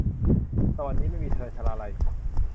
สวรรค์นี้ไม่มีเธอ - ชลาลัย